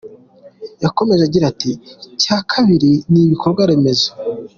Yakomeje agira ati “Icya kabiri ni ibikorwa remezo.